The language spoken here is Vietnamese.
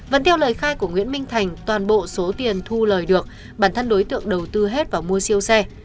vẫn theo lời khai của nguyễn minh thành toàn bộ số tiền thu lời được bản thân đối tượng đầu tư hết vào mua siêu xe